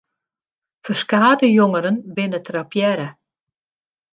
Ferskate jongeren binne trappearre.